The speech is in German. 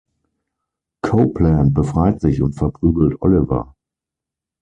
Copeland befreit sich und verprügelt Oliver.